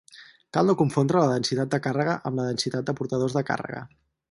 Cal no confondre la densitat de càrrega amb la densitat de portadors de càrrega.